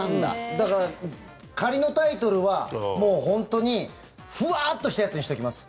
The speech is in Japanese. だから、仮のタイトルはもう本当にフワーッとしたやつにしておきます。